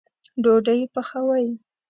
ډوډۍ پخوئ